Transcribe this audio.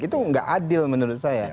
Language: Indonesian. itu nggak adil menurut saya